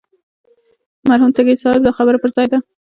مرحوم تږي صاحب دا خبره پر ځای ده.